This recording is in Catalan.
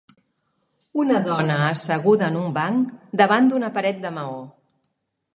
Una dona asseguda en un banc davant d'una paret de maó.